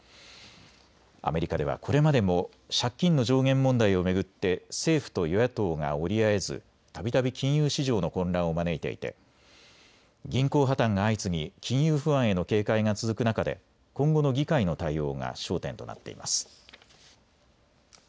アメリカではこれまでも借金の上限問題を巡って政府と与野党が折り合えずたびたび金融市場の混乱を招いていて銀行破綻が相次ぎ金融不安への警戒が続く中で今後の議会の対応が焦点となっています。